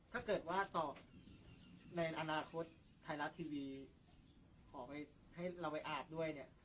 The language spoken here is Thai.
ถ้าเกิดว่าตอบในอนาคตไทยรัฐทีวีขอไปให้เราไปอ่านด้วยเนี่ย